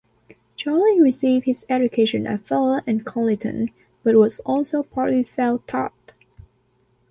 Charles received his education at Fala and Colinton, but was also partly self-taught.